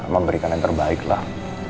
memberikan yang terbaik lah